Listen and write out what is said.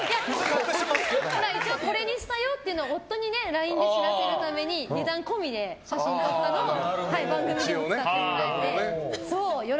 一応、これにしたよって夫にＬＩＮＥで知らせるために値段込みで写真撮ったのを番組でも使ってもらって。